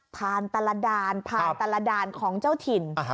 ผ่านตลาด่านผ่านตลาด่านของเจ้าถิ่น